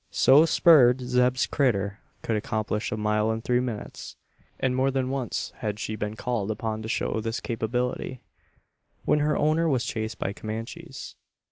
So spurred, Zeb's "critter" could accomplish a mile in three minutes; and more than once had she been called upon to show this capability, when her owner was chased by Comanches.